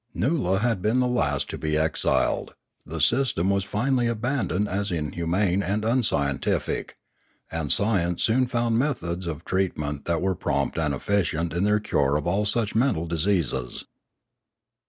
Noola had been the last to be exiled; the system was finally abandoned as inhumane and un scientific; and science soon found methods of treatment that were prompt and efficient in their cure of all such mental diseases.